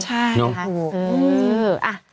ใช่ค่ะ